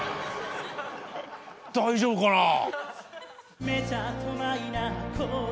大丈夫かなぁ？